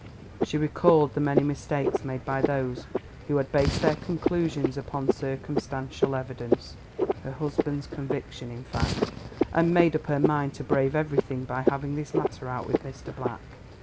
She recalled the many mistakes made by those who had based their conclusions upon circumstantial evidence (her husband's conviction in fact) and made up her mind to brave everything by having this matter out with Mr. Black.